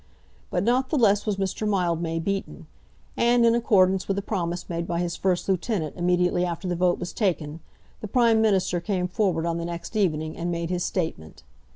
But not the less was Mr. Mildmay beaten; and, in accordance with the promise made by his first lieutenant immediately after the vote was taken, the Prime Minister came forward on the next evening and made his statement.